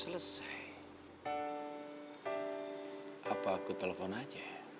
ih bunga p layers menang